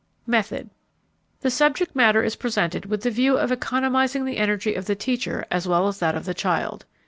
] METHOD The subject matter is presented with the view of economizing the energy of the teacher as well as that of the child.